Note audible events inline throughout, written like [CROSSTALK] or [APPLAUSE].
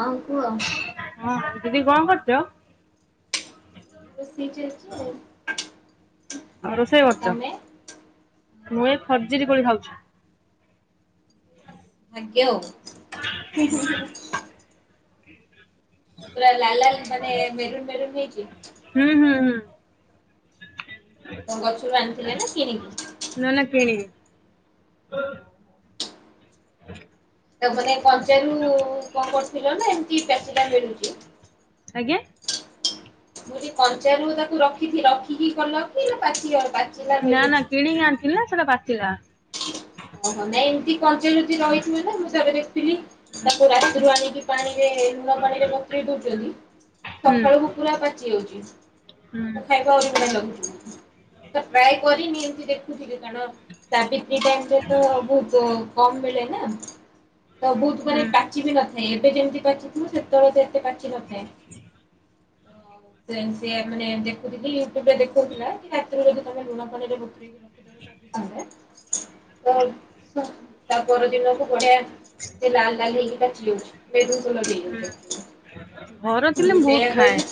ହଁ କୁହ। ହଁ ଦିଦି କଣ କରୁଚ? ଏଇ ରୋଷେଇ ଚାଲିଚି ଆଉ ରୋଷେଇ କରୁଛ? ତମେ? ମୁଁ ଏଇ ଖଜୁରି କୋଳି ଖାଉଚି। ଭାଗ୍ୟ ଆଉ। ପୁରା ଲାଲ ଲାଲ ମାନେ ମେରୁନ୍ ମେରୁନ୍ ହେଇକି। ହୁଁ ହୁଁ ହୁଁ। କଣ ଗଛୁରୁ ଆଣିଥିଲେ ନା କିଣିକି? ନା ନା କିଣିକି। ତାକୁ ମାନେ କଞ୍ଚାରୁ କଣ କରିଥିଲ ନା ଏମତି ପାଚିଲା ମିଳୁଚି? ଆଜ୍ଞା? ମୁଁ କହିଲି କଞ୍ଚା ରୁ ତାକୁ ରଖିକି ରଖିକି କଲ କି ନା ପାଚି ଅ ପା ନା ନା କିଣିକି ଆଣିଥିଲି ନା ସେଟା ପାଚିଲା। ଓହୋ ନାଇଁ ଏମତି କଞ୍ଚା ଯଦି ରହିଥିବ ନା ମୁଁ ଥରେ ଦେଖିଥିଲି ହୁଁ ତାକୁ ରାତିରୁ ଆଣିକି ପାଣିରେ ଲୁଣ ପାଣିରେ ବତୁରେଇ ଦଉଚନ୍ତି ହୁଁ ସଖାଳୁକୁ ପୁରା ପାଚି ଯାଉଚି ତାକୁ ଖାଇବ ଆହୁରି ବଢିଆ ଲାଗୁଚି। ତ ଟ୍ରାଏ କରିନି ଏମତି ଦେଖୁିଥିଲି କାରଣ ସାବିତ୍ରୀ ପାଇଁକା ତ ବହୁତ କମ୍ ମିଳେନା ତ ବହୁତ ହୁଁ ମାନେ ପା ଚି ବି ନଥାଏ ଏବେ ଯେମତି ପାଚିଥିବ ସେତେବେଳେ ସେମତି ପାଚି ନଥାଏ। ସେମ ସିଏ ମାନେ ଦେଖୁଥିଲି ୟୁଟୁବରେ ଦେଖଉଥିଲା କି ରାତି ରୁ ଯଦି ତମେ ଲୁଣ ପାଣିରେ ବତୁରେଇକି ରଖି [INAUDIBLE] ତ ତ ତା ପର ଦିନକୁ ବଢିଆ ସେ ଲାଲ୍ ଲାଲ୍ ହେଇକି ପାଚି ଯାଉଚି ମେରୁନ୍ କଲର୍ ହେଇ ହୁଁ ଯାଉଚି। ଘର ଥିଲେ ମୁଁ ବହୁତ ଖାଏ।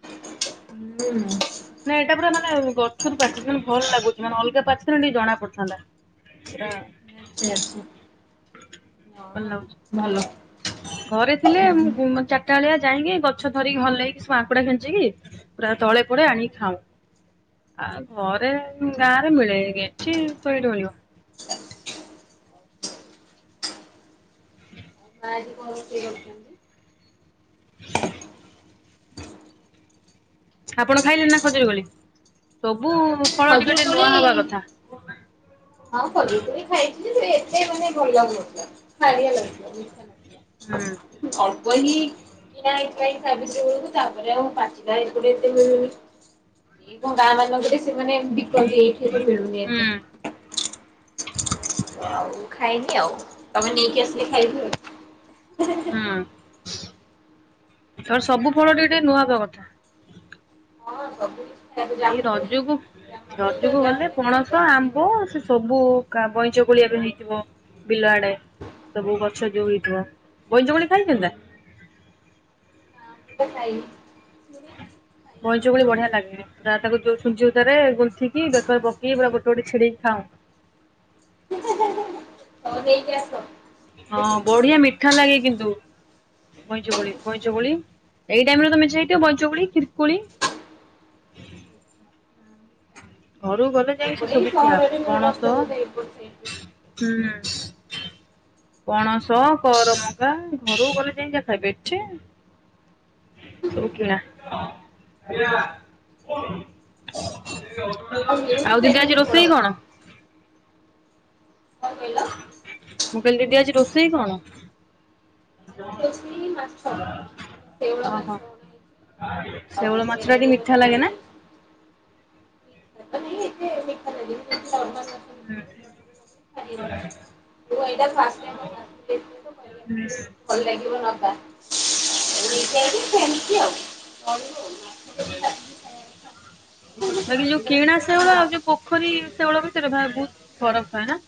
ହୁଁ। ନାଇଁ ଏଇଟା ପୁରା ମାନେ ଗଛରୁ ପାଚିଚି ମାନେ ଭଲ ଲାଗୁଚି ମାନେ ଅଲଗା ପାଚିଥିଲା ଟିକେ ଜଣା ପଡିଥାନ୍ତା। ହଁ। ଆଚ୍ଛା ଆଚ୍ଛା। ଭଲ ହଁ ଭଲ। ଲାଗୁଚି ଘରେ ଥିଲେ ମୁଁ ଉଁ ଚା ଟା ବେଳିଆ ଯାଇକି ଗଛ ଧରିକି ହଲେଇକି ସବୁ ଆଙ୍କୁଡା ଖେଞ୍ଚିକି ପୁରା ତଳେ ପଡେ ଆଣିକି ଖାଉ। ଆଉ ଘରେ ଉଁ ମା ଗାଁ ରେ ମିଳେ ଏଠି କୋଇଠି ମିଳିବ। ମାଆ ଆଜି କଣ ରୋଷେଇ କରିଚନ୍ତି? ଆପଣ ଖାଇଲେଣି ନା ଖଜୁରୀ କୋଳି? ସବୁ ଫଳ ଖଜୁର ଟିକେ ଟିକେ କୋଳି ନୂଆ ହବା କଥା। ହଁ ଖଜୁରି କୋଳି ଖାଇଚି ଯେ ସେ ଏତେ ମାନେ ଭଲ ଲାଗୁ ନଥିଲା। ଖାରିଆ ଲାଗୁଥିଲା ମିଠା ହୁଁ ଲାଗୁଥିଲା ହୁଁ ଅଳ୍ପ ହି ନାଇଁ କାଇଁ ସାବିତ୍ରୀ ବେଳୁକୁ ତାପରେ ଆଉ ପାଚିଲା ଏପଟେ ଏତେ ମିଳୁନି। ଏ କୋଉ ଗାଁ ମାନଙ୍କରେ ସେମାନେ ବିକନ୍ତି ଏଇଠି ତ ମିଳୁନି ଏତେ। ହୁଁ। ଆଉ ଖାଇନି ଆଉ ତମେ ନେଇକି ଆସ୍। ହେଲେ ଖାଇବୁ। ତ ସବୁ ଫଳ ଟିକେ ଟିକେ ନୂଆ ହବା କଥା। [UNINTELLIGIBLE] ଏଇ କୋଳି ରଜକୁ ଜାମୁ କୋଳି ତ ରଜକୁ ଯାହା ବି ଗଲେ ହେଲେ ଖାଇବା ପଣସ କଥା ଦେହ ଆମ୍ବ ପାଇଁ ଭଲ। ସେ ସବୁ କା ବଇଁଚ କୋଳି ଏବେ ହେଇଥିବ ବିଲଆଡ଼େ। ସବୁ ଗଛ ଯୋଉ ହେଇଥିବ ବଇଁଚ କୋଳି ଖାଇଚନ୍ତିନା? ନାଁ ଖାଇଁନି। ସୁଣିଚି ବଇଁଚ କୋଳି ବଢ଼ିଆ ଲାଗେ ପୁରା ତାକୁ ଯୋଉ ଛୁଞ୍ଚିସୁତାରେ ଗୁନ୍ଥିକି ବେକରେ ପକେଇ ପୁରା ଗୋଟେ ଗୋଟେ ଚିଡ଼େଇକି ଖାଉ। ହଉ ଦେଇକି ଆସ ହଁ ବଢ଼ିଆ ମିଠା ଲାଗେ କିନ୍ତୁ। ବଇଁଚକୋଳି ବଇଁଚକୋଳି ଏଇ ଟାଇମିରେତ ମେଞ୍ଚେ ହେଇଥିବ ବଇଁଚକୋଳି କ୍ଷୀରୀ କୋଳି ଘରୁକୁ ଗଲେ ଯାଇ ଏପଟେ ଏଇ ସେସବୁ ଖିଆ ସହରରେ ହବ ମିଳୁନଥିବ ପଣସ ବୋଧେ ଏପଟ ସାଇଟରେ। ହୁଁ। ପଣସ କରମଗା ଘରକୁ ଗଲେଯାଇ ଯାହା ଖାଇବେ ଏଠୀ ସବୁ କିଣା ମିଳୁଛି ଆଉ ସେଇଟା ଦିଦି ଆଜି ହଉଛି ବଡ ରୋଷେଇ କଥା। କଣ? କଣ କହିଲ ମୁଁ କହିଲି ଦିଦି ଆଜି ରୋଷେଇ କଣ? ଆଜି ରୋଷେଇ ମାଛ ଆମର ଶେଉଳ [UNINTELLIGIBLE] ମାଛ ଓହୋ ଅଣା ହେଇଛି। ଆଉ ସେଉଳ ମାଛଟା କେରାଣ୍ଡି ମାଛ ମିଠା ଅଣା ଲାଗେନା? ଅଭି ଏଠେ ମିଠାଲାଗେନି ଟିକେ ନର୍ମାଲି ଲାଗେ ସେମିତି ଉଁ ଖାରିଆ ଲାଗୁଛି। ହୁଁ। ମୁଁ ଏଇଟା ଫାଷ୍ଟ ଟାଇମ୍ ଆମ ହୁଁ। ଭଲ ଲାଗିବ ନବା ହଁ। ନେଇକି ଆଇଲି ସେମିତି ଆଉ। ଚଳିବ ଆଉ [UNINTELLIGIBLE] ମାଛ ଯଦି ବାଛିକି ଖାଇବା କଥା। ମୁଁ କଇଁନି ଯୋଉ କିଣା ସେଉଳ ଆଉଯୋଉ ପୋଖରୀ ସେଉଳ ଭିତରେ ଭା ବହୁତ୍ ଫରକ୍ ଥାଏନା?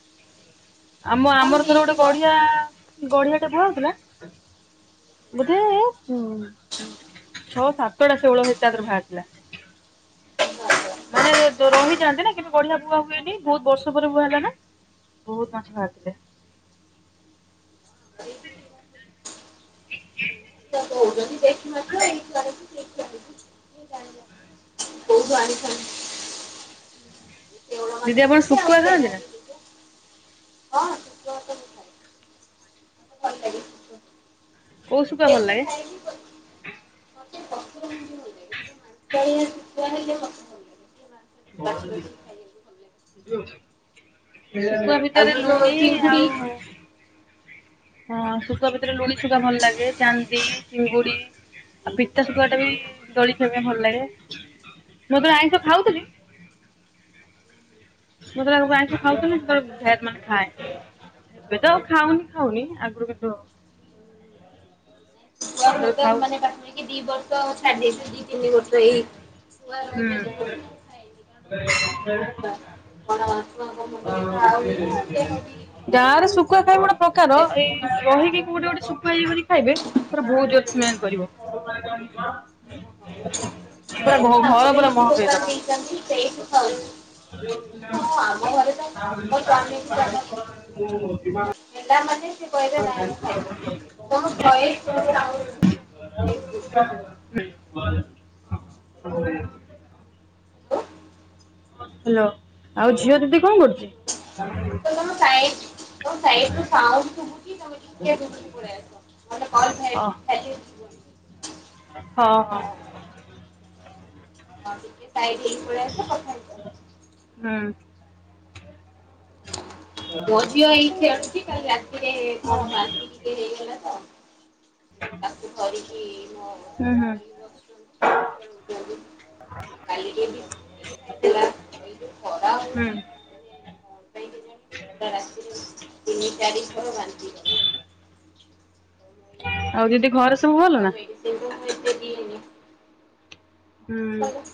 ଆମ କଣ ଆମର ଥରେ ଗୋଟେ ହେଇଥିବ ଗଢ଼ିହା ଗଢ଼ିହାଟେ ବୁହା ହଉଥିଲା ବୋଧେ ଉ ଛଅ ସାତଟା ଷୋଉଳ ହେତାକରେ ବାହାରିଥିଲା। ମାନେ ଦ ରହିଯାଆନ୍ତିନା କିନ୍ତୁ ଗଢ଼ିଆ ବୁଆ ହୁଏନି ବହୁତ୍ ବର୍ଷ ପରେ ବୁଆ ହେଲାନା। ବହୁତ୍ ମାଛ ବାହାରିଥିଲେ। ଏଇଠି କିଣା [UNINTELLIGIBLE] ଛୁଆ କୋଉଚନ୍ତି ଦେଶିମାଛ ଏଇଠି ଆଣିବୁ ସେଇଠି ଆଣିବୁ କିଏ ଜାଣି କୁଅ କୋଉଠୁ ଆଣିଥାନ୍ତି ଦିଦି ମାଛ ଆପଣ ଟିକେ ଆଉ ଶୁକୁଆ ଖାଆନ୍ତିନା? କେରାଣ୍ଡି ଟିକେ ହଁ ଶୁକୁଆ ଖା ଲାଗେ ଶୁଖୁଆ କୋଉ ଶୁକୁଆ ଭଲ ଯେତେ ଲାଗେ? ଖାଇବି ମତେ ପଥର ମୁଣ୍ଡି ଭଲ ଲାଗେ [UNINTELLIGIBLE] ଟିକେ [UNINTELLIGIBLE] ମାଂସ ବାଛି ବାଛି ଖାଇବାକୁ ଭଲ ଲାଗେ ଶୁଖୁଆ ଭିତରେ ଆଉ ଯୋଉ ଲୁଣୀ ଯୋଉ ଚିଙ୍ଗୁଡି ଆଉ ହଁ ଶୁକୁଆ ଭିତରେ ଲୁଣି ଶୁକୁଆ ଭଲ ଲାଗେ ଚାନ୍ଦି ଚିଙ୍ଗୁଡ଼ି ଆଉ ପିତା ଶୁଖୁଆଟାବି ଦଳିକି ଖିଇବାପାଇଁ ଭଲ ଲାଗେ ମୁଁ ଯେତେଳେ ଆଇଁଷ ଖାଉଥିଲି ମୁଯେତେଳେ ଆଇଁଷ ଖାଉଥିଲି ସେତେଳେ ଭେଜ୍ ମାନେ ଖାଏ। ଏବେତ ଆଉ ଖାଉନି ଖାଉନି ଆଗରୁ କିନ୍ତୁ ଯେତେବେଳେ ମୁଁତ ଖାଉ ମାନେ ପାଖା ପାଖି ଦିବର୍ଷ ଛାଡି ଦେଇଚି ଦିତିନି ବର୍ଷ ଏଇ ଛୁଆ ରହିବା ହୁଁ। ଦିନଠୁ ମୁଖାଇ ଛୁଆଙ୍କ [UNINTELLIGIBLE] ମୁଣ୍ଡରେ ଘା ହୁଏ ଆଉ ଦେହ ବି ଭଲ ଗାଁରେ ରହେନି। ଶୁକୁଆ ଖାଇବୁ ଗୋଟେ ସବୁ ପ୍ରକାର ସେ ଏଇ ରହିକି କୋଉଠି ଗୋଟେ ଶୁକୁଆ ଇଏ କରିକି ଖାଇବେ ତାର ବହୁତ୍ ଜୋର ସ୍ମେଲ୍ କରିବ। ଓହୋ ହୋ ପୁରା ଘ ନାଇଁ ଘର ଆମର ପୁରା ଏଇଠି ଦୋକାନ ମହକେଇଦବ। ଦେଇଛନ୍ତି ସେଇଠି ଖାଉଛୁ। ହଁ ଆମ ଘରେ ତ ମୋ ସ୍ୱାମୀ ପିଲାମାନେ ସେ କହିଲେ ନାଇଁ ମୁଁ ଖାଇବିନି। କଣ ଭୟସ ଟିକେ ସାଉଣ୍ଡ ଶୁଭୁଛି ସାଇଟରେ। ମୁଁ ହ୍ୟାଲୋ ଆଉ ଝିଅ ଦିଦି କଣ କରୁଛି? କହିଲି ତମ ସାଇଟ୍ ତୁମ ସାଇଟରୁ ସାଉଣ୍ଡ ଶୁଭୁଛି ତମେ ଟିକେ ଦୂରକୁ ପାଳେଇଆସ। [UNINTELLIGIBLE] ନହେଲେ କଲ୍ ଭା ଅ ଭାଲ୍ୟୁ ଯିବନି। ହଁ ହଁ। ହଁ ଟିକେ ସାଇଟ୍ ହେଇକି ପଳେଇଆସ କଥା ହେଇଯାଅ। ହଁ। ମୋ ଝିଅ ଏଇ ଖେଳୁଛି। କାଲି ରାତିରେ କଣ ହୁଁ ବାନ୍ତି ଟିକେ ହେଇଗଲା ତ। ତାକୁ ଧରିକି ମୋ ସ୍ୱାମୀ ଧରିକି ହୁଁ ବସଛନ୍ତି ଖେଲୋଉଛନ୍ତି। କାଲି ଯୋଉ ବିସ୍କୁଟ ଟିକେ ଖାଇଦେଲା ଆଉ ଏଇ ଯୋଉ ଖରା ହୁଁ ହଉଛି ମାନେ କଣ ପାଇଁ କେଜାଣି ପୁରା ରାତିରେ ତିନି ଚାରିଥର ବାନ୍ତି କଲା। ଆଉ ଦିଦି ଘରେ ସ ଆଉ ମେଡିସିନ୍ ତ ମୁଁ ଏତେ ଦିଏନି। ହୁଁ। ଭଲ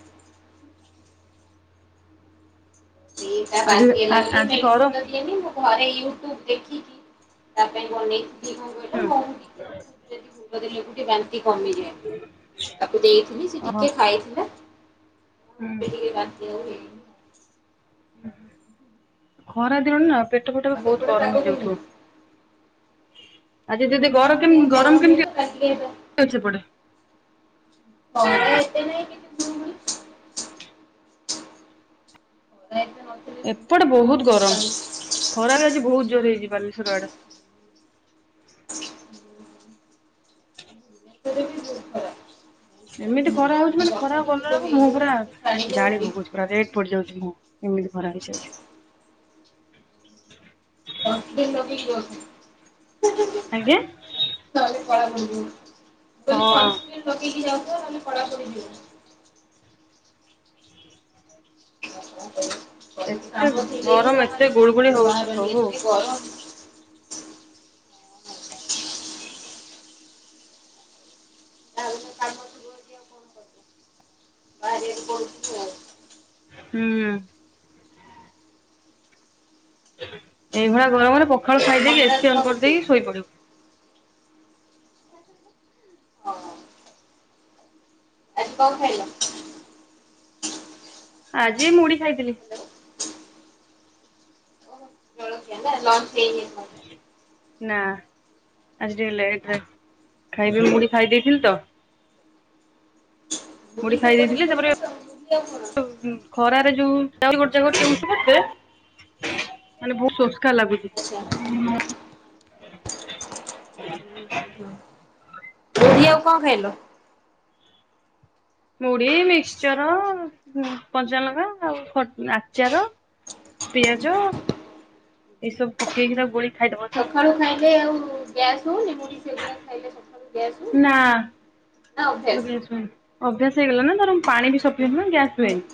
ସେ ତା ଆଜି ବାନ୍ତି ହେଲା ବୋଲି ଆଜି କର ମେଡିସିନ ତ ଦିଏନି ମୁଁ ଘରେ ୟୁଟ୍ୟୁବ ଦେଖିକି ତା ପାଇଁ ବନେଇଥିଲି କଣ କହିଲ ହୁଁ ମହୁ ଟିକେ ଆଉ ଗୁଜୁରାତି ଦେଲେ ଟିକେ ବାନ୍ତି କମିଯାଏ। ତାକୁ ଦେଇଥିଲି ସେ ଓହୋ ଟିକେ ଖାଇଥିଲା। ଆଉ ଏବେ ହୁଁ। ଟିକେ ବାନ୍ତି ଆଉ ହେଇନି। ଖରା ଦିନ ନା ପେଟ ଫେଟ ଆଉ ବି ବହୁତ ସେପଟେ ଗରମ ପାଗ ହେଇଯାଉଥିବ। କେମିତି? ଆଜି ଦିଦି ହଁ ଗର ପା ସେଇଆ ଗରମ କେମିତି ହେଇଗଲା ଟିକେ ଦ ଅଛି ସେପଟେ? ଖରା ଏତେ ନାହିଁ କିନ୍ତୁ ଗୁଳୁଗୁଳି। ଖରା ଏତେ ହୋ ଏପଟେ ବହୁତ ଗରମ। ଖରା ବି ଆଜି ବହୁତ ଜୋରେ ହେଇଛି ବାଲେଶ୍ୱର ଆଡେ। ଇଆଡେ ବି ବହୁତ ଖରା। ବହୁତ ଏମିତି ଗରମ ଖରା ହଉଛି ମାନେ ବର୍ଷା ଖରାକୁ ଟିକେ ଯୋଉ ଗଲାବେଳକୁ ମୁହଁ ହେଇଯାଉଛି ପୁରା ଟିକେ ଛାଡି ଜାଳି ଯାଉଛି ପକଉଛି। ପୁରା ରେଡ୍ ପଡିଯାଉଛି ମୁହଁ। ଏମିତି ଖରା ହେଇଛି ଆଜି। ସନ୍ସ୍କ୍ରିନ ଲଗେଇକି ବସ୍ ହିଁ ହିଁ। ଆଜ୍ଞା। ନହେଲେ କଳା ପଡ଼ିଯିବୁ। ହଁ। ସ୍କ୍ରିନ୍ ଲଗେଇକି ଯାଉଥିବ ନହେଲେ କଳା ପଡିଯିବ। ଏତେ କାମ ଥିଲେ ହି ଗରମ ଏତେ ବାହର। ଗୁଳୁଗୁଳି ନହେଲେ ହଉଛି ବାହାର ପ୍ରଭୁ। ଏତେ ଗରମ। ଯାହାହେଲେ କାମ ଥିଲେ ବି କଣ କରିବୁ ବାହାରିବାକୁ ପଡୁଛି ଆଉ। ହୁଁ। ଏଇଭଳିଆ ଗରମରେ ପଖାଳ ଆଉ ଖାଇ ଦେଇକି ତମର ଆଜି ଏସିି କଣ ଅନ୍ ରୋଷେଇ? କରିଦେଇକି ଶୋଇ ପଡ଼ିବୁ। ହଁ। ଆଜି କଣ ଖାଇଲ? ଆଜି ମୁଢି ଖାଇଥିଲି। ହ୍ୟାଲୋ। ହଁ ବା ଲଞ୍ଚ ହେଇନି ଆମର। ନାଁ। ଆଜି ଟିକେ ଲେଟରେ ଖାଇବି ମୁଢ଼ି ଖାଇ ଦେଇଥିଲି ତ। ମୁଢି ଖାଇ ସେପଟେ ଦେଇଥିଲି ତାପରେ ଫେମସ୍ ଆଉ ମୁଢି ଆଉ କଣ? ଉ ଖରାରେ ଯୋଉ ଯାଉଚି ଗୋଟେ ଜାଗାକୁ ମିଳୁଛି ମୋତେ ମାନେ ବହୁତ ଶୋସ୍କା ଲାଗୁଛି। ଆଚ୍ଛା। ହୁଁ ହୁଁ ହୁଁ। ମୁଢ଼ି ଆଉ କଣ ଖାଇଲ? ମୁଢି ମିକ୍ସଚର କଞ୍ଚାଲଙ୍କା ଆଉ ଖ ଆଚାର। ଓହୋ। ପିଆଜ। ଏଇ ସବୁ ପକେଇକି ତାକୁ ଗୋଳେଇକି ସକାଳୁ ଖାଇଲେ ଆଉ ଗ୍ୟାସ୍ ହଉନି ମୁଢ଼ି ସେଗୁଡା ଖାଇଲେ ସକାଳୁ ଗ୍ୟାସ୍ ହଉନି? ନା ନା ମୋର ଅଭ୍ୟାସ? ଗ୍ୟାସ୍ ହୁଏନି ଅଭ୍ୟାସ ହେଇଗଲା ନା ତାର ପାଣି ବି ଓହୋ ସଫିସେଣ୍ଟ ପିଏ ନା ଗ୍ୟାସ ହୁଏନି।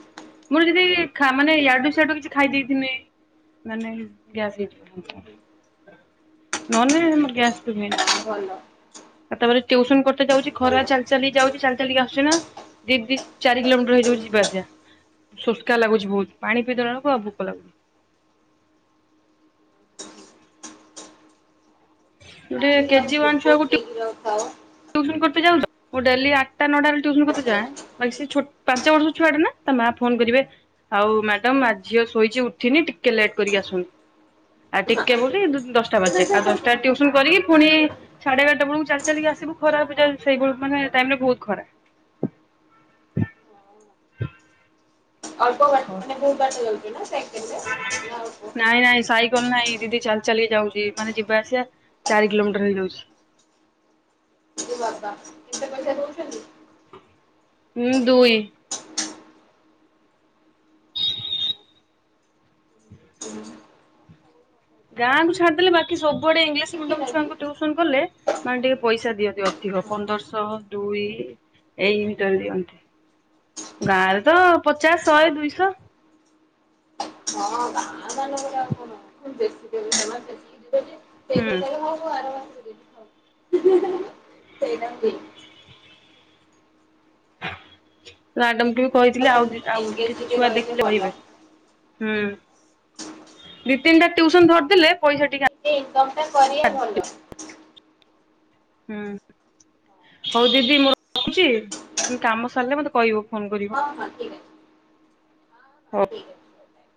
ମୋର ଯଦି ଖା ମାନେ ଆଚ୍ଛା। ୟାଡୁ ସିଆଡୁ କିଛି ଖାଇ ଦେଇଥିନେ ମାନେ ଗ୍ୟାସ ହେଇଯିବ ସାଙ୍ଗେ ସାଙ୍ଗେ ନହେଲେ ନାହିଁ ଗ୍ୟାସ ହୁଏନି। ଭଲ ତାପରେ ଟ୍ୟଉସନ କରତେ ଯାଉଛି ଖରା ଭଲ। ଚାଲ ଚାଲି ଯାଉଛି ଚାଲ ଚାଲ କା ଆସୁଛି ନା ଦି ଦି ଚାରି କିଲୋମିଟର ହେଇଯାଉଛି ଯିବା ଆସିବା ଶୋସ୍କା ଲାଗୁଛି ବହୁତ ପାଣି ପିଇ ଦେଲାବେଳକୁ ଆଉ ଭୋକ ଲାଗୁନି। ଗୁଟେ କେଜିୱାନ୍ ବହୁତ [UNINTELLIGIBLE] ଖାଉ। ଟ୍ଯୁସନ କରତେ ଯାଉଛ ମୁଁ ଡେଲି ଆଠଟା ନଅଟା ବେଳେ ଟ୍ୟୁସନ କରତେ ଆଚ୍ଛା ଯାଏ। ଆଚ୍ଛା। ଭାଇ ସେ ଛୋ ପାଞ୍ଚ ବର୍ଷ ଛୁଆଟେ ନା ତା ମା ଫୋନ କରିବେ ଆଉ ମ୍ୟାଡ଼ାମ ଆ ଝିଅ ଶୋଇଛି ଉଠିନି ଟିକେ ଲେଟ୍ କରିକି ଆସନ୍ତୁ। ଆଉ ଟିକେ ବୋଲି ଦଶଟା ବାଜିଯାଏ ଆଉ ଦଶଟାରେ ଟିଭସନ କରିକି ପୁଣି ସାଢେ ବାରଟା ବେଳକୁ ଚାଲି ଚାଲିକା ଆସିବୁ ଖରାରେ ପୁରା ସେଇବଳୁକୁ ମାନେ ଟାଇମ ରେ ବହୁତ ଖରା ଅଳ୍ପ ବାଟ୍ ଥର ବହୁତ ବାଟ ଯାଉଛୁ ନା ସାାଇକେଲରେ ନା [UNINTELLIGIBLE] ନାଇଁ ନାଇଁ ସାଇକଲ ନାଇଁ ଦିଦି ଚାଲ ଚାଲି ଯାଉଛି ମାନେ ଯିବା ଆସିବା ଚାରି କିଲୋମିଟର ହେଇଯାଉଛି। ରେ ବାବା କେତେ ପଇସା ଦଉଛନ୍ତି? ହୁଁ ଦୁଇ। ହୁଁ ଗାଁକୁ ଛାଡ଼ିଦେଲେ ବାକି ସବୁଆଡେ ଇଂଲିଶ ଶିଖିନ ମିଡିୟମ କି? ଛୁଆଙ୍କୁ ଟୁସନ କଲେ ମାନେ ଟିକେ ପଇସା ଦିଅନ୍ତି ଅଧିକ ପନ୍ଦରଶହ ଦୁଇ ଏଇ ଭିତରେ ଦିଅନ୍ତି। ଗାଁରେ ତ ପଚାଶ ଶହେ ଦୁଇଶହ ହଁ ଗାଁ [UNINTELLIGIBLE] [UNINTELLIGIBLE] ହୁଁ ତୋ ପୁଅକୁ ଆର ମାସରେ ଦେବି ଥାଉ [UNINTELLIGIBLE] ମ୍ୟାଡ଼ାମକୁ ବି କହିଥିଲି ଭଲ ଆଉ ଦିଟା ଆଉ ଏନଗେଜ କିଛି ଟିକେ ଛୁଆ ରହିଲେ ଦେଖିଲେ ଭଲ। ରହିବେ ହୁଁ ଦି ତିନିଟା ଟିଉସନ ଧରିଦଲେ ପଇସା ଟିକେ ଇନକମଟା କରିବା ଭଲ ହୁଁ ହଉ ଦିଦି ମୋ ରହୁଛି କାମ ସାରିଲେ ମତେ କହିବ ଫୋନ କରିବ। ହଁ ହଁ। ଠିକ ଅଛି ହଁ ହଁ ହ ଠିକ ଅଛି।